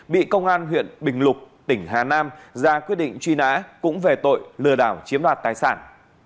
bị công an huyện bình lục tỉnh hà nam ra quyết định truy nã cũng về tội lừa đảo chiếm đoạt tài sản